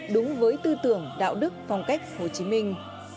đúng với tư tưởng đạo đức phong cách hồ chí minh